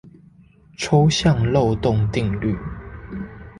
抽象漏洞定律